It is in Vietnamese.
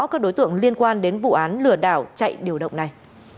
các đối tượng liên quan đến vụ án lừa đảo chạy điều động này